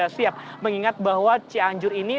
maka kita harus sudah siap mengingat bahwa cianjur ini